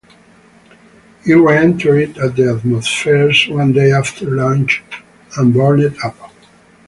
It reentered the atmosphere one day after launch and burned up.